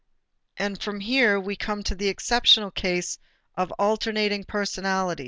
And from here we come to the exceptional cases of alternating personality.